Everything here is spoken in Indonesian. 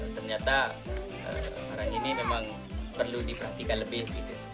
ternyata hari ini memang perlu diperhatikan lebih